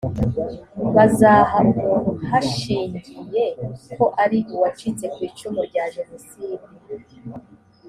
bazaha umuntu hashingiye ko ari uwacitse ku icumu rya jenoside